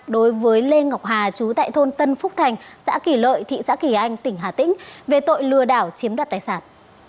đối với lê ngọc hà chú tại thôn tân phúc thành xã kỳ lợi thị xã kỳ anh tỉnh hà tĩnh về tội lừa đảo chiếm đoạt tài sản